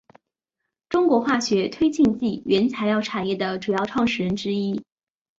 中国化学推进剂原材料产业的主要创始人之一。